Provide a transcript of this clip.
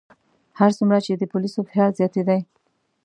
هر څومره چې د پولیسو فشار زیاتېدی.